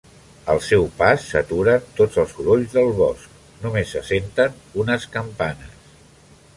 Al seu pas s'aturen tots els sorolls del bosc, només se senten unes campanes.